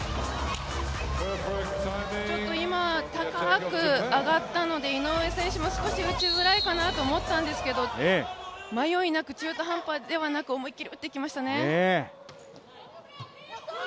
今、高く上がったので井上選手も少し打ちづらいかなと思ったんですけど迷いなく中途半端ではなく、思い切り打っていきましたね。